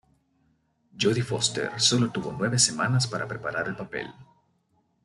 Jodie Foster sólo tuvo nueve semanas para preparar el papel.